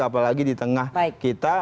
apalagi di tengah kita